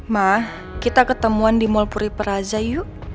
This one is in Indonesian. ma kita ketemuan di mall puri plaza yuk